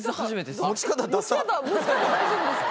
持ち方大丈夫ですか？